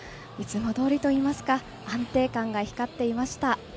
いつもどおりといいますか安定感が光っていました。